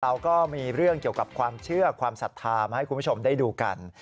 เราก็มีเรื่องเกี่ยวกับความเชื่อความศรัทธามาให้คุณผู้ชมได้ดูกัน